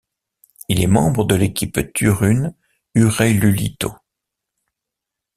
Il est membre de l'équipe Turun Urheiluliitto.